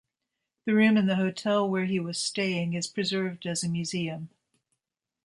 The room in the hotel where he was staying is preserved as a museum.